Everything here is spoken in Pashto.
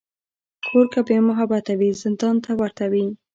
کور که بېمحبته وي، زندان ته ورته وي.